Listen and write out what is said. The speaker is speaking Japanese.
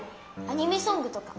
アニメソングとか。